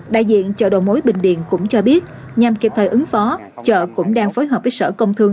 đại diện chợ đầu mối bình điện cũng cho biết nhằm kịp thời ứng phó chợ cũng đang phối hợp với sở công thương